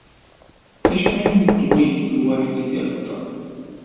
Acḥal neṭwi lwaḥi tiɣeṭṭen!